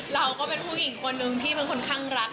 เราก็เป็นผู้หญิงคนนึงที่เป็นคนข้างรัก